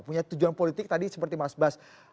punya tujuan politik tadi seperti mas bas